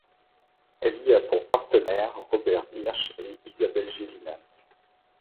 Elle y a pour partenaires Robert Hirsch et Isabelle Gélinas.